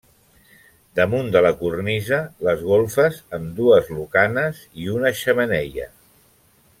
Damunt de la cornisa les golfes amb dues lucanes i una xemeneia.